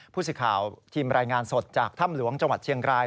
ผู้สื่อข่าวทีมรายงานสดจากถ้ำหลวงจังหวัดเชียงราย